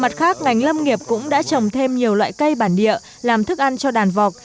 mặt khác ngành lâm nghiệp cũng đã trồng thêm nhiều loại cây bản địa làm thức ăn cho đàn vọc